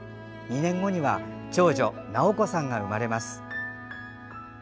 ２年後には長女・尚子さんが生まれます。